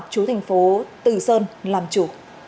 chú thành phố từ sơn làm chủ